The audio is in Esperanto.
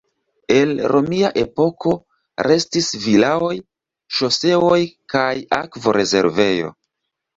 El romia epoko restis vilaoj, ŝoseo, kaj akvorezervejo.